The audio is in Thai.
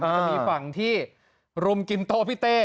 จะมีฝั่งที่รุมกินโต้พี่เต้